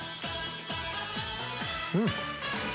うん。